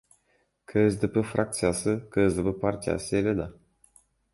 КСДП фракциясы — КСДП партиясы эле да.